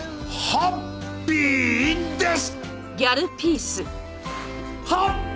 ハッピーです！